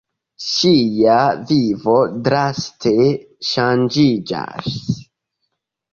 Ŝia vivo draste ŝanĝiĝas.